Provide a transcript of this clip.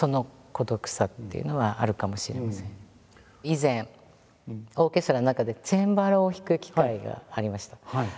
以前オーケストラの中でチェンバロを弾く機会がありました。